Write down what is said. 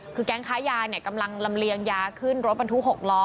คือแก๊งค้ายากำลังลำเลียงยาขึ้นรถบรรทุก๖ล้อ